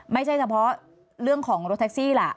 ไม่ใช่เฉพาะเรื่องของรถแท็กซี่ล่ะ